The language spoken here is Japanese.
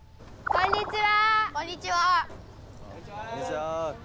こんにちは。